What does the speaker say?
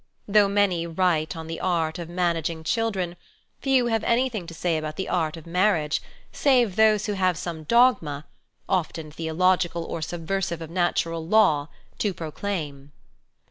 Though many write on the art of managing children, few have anything to say about the art of marriage, save those who have some dogma, often theological or subversive of natural law, to proclaim.